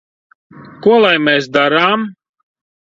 Ko lai mēs darām?